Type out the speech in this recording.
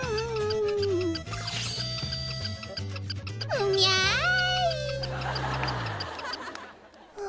うみゃい！